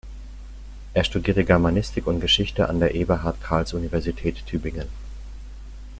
Er studierte Germanistik und Geschichte an der Eberhard Karls Universität Tübingen.